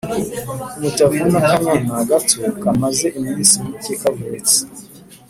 Umutavu n’akanyana gato kamaze iminsi mike kavutse